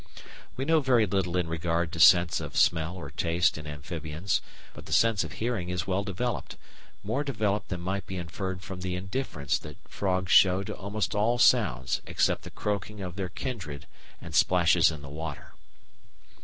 We know very little in regard to sense of smell or taste in amphibians; but the sense of hearing is well developed, more developed than might be inferred from the indifference that frogs show to almost all sounds except the croaking of their kindred and splashes in the water.